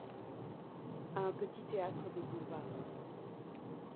à un petit théâtre du boulevard.